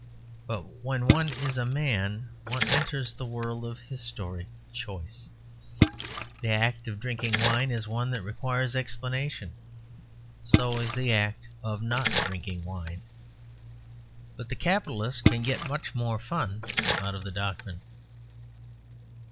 But when one is a man one enters the world of historic choice. The act of drinking wine is one that requires explanation. So is the act of not drinking wine. But the capitalist can get much more fun out of the doctrine.